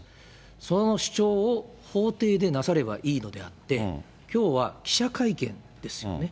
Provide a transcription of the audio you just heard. その主張を法廷でなさればいいのであって、きょうは記者会見ですよね。